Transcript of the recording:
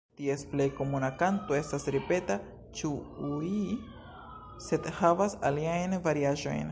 Ties plej komuna kanto estas ripeta "ĉu-ŭii" sed havas aliajn variaĵojn.